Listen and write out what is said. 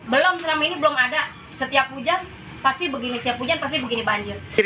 belum selama ini belum ada setiap hujan pasti begini banjir